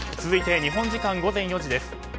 続いて日本時間午前４時です。